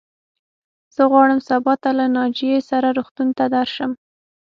زه غواړم سبا ته له ناجيې سره روغتون ته درشم.